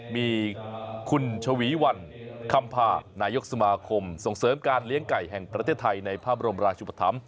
มีคุณชวีวันคำพานายกสมาคมส่งเสริมการเลี้ยงไก่แห่งประเทศไทยในพระบรมราชุปธรรม